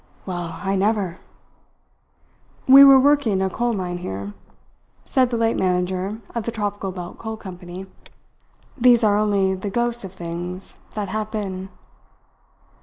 "Well, I never!" "We were working a coal mine here," said the late manager of the Tropical Belt Coal Company. "These are only the ghosts of things that have been."